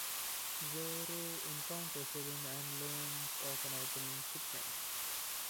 Zorro encounters Elena, and learns of an upcoming shipment.